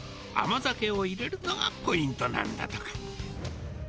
甘酒を入れるのがポイントなんだとか。